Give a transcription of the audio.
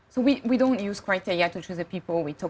kami tidak menggunakan kriteria untuk memilih orang orang